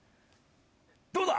どうだ？